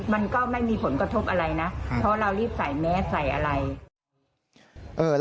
มันก็ไม่มีผลกระทบอะไรนะเพราะเรารีบใส่แมสใส่อะไร